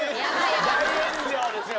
大炎上ですよ